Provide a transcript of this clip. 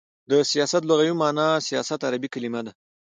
د سیاست لغوی معنا : سیاست عربی کلمه ده.